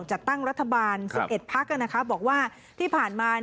จัดตั้งรัฐบาลสูงเอ็ดภักดิ์นะครับบอกว่าที่ผ่านมา